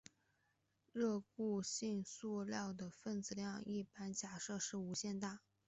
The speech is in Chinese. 热固性塑料的分子量一般假设是无限大。